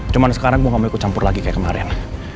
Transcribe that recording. cuma sekarang gue gak mau ikut campur lagi kayak kemarin